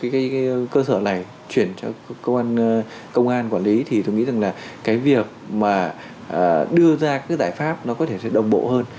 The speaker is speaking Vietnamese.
cái cơ sở này chuyển cho cơ quan công an quản lý thì tôi nghĩ rằng là cái việc mà đưa ra các giải pháp nó có thể sẽ đồng bộ hơn